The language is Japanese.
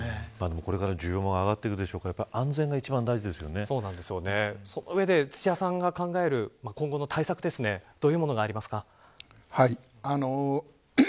これから需要も上がっていくでしょうしその上で、土屋さんが考える今後の対策どういうものがありますか。